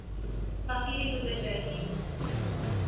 باقی بھی گزر جائے گی۔